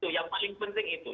yang paling penting itu